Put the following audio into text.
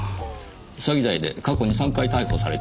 詐欺罪で過去に３回逮捕されていますねぇ。